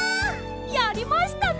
やりましたね！